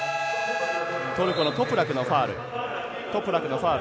トルコのトプラクのファウル。